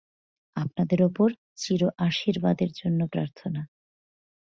আপনাদের উপর চির আশীর্বাদের জন্য প্রার্থনা।